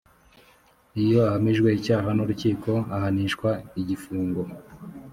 iyo ahamijwe icyaha n’ urukiko ahanishwa igifungo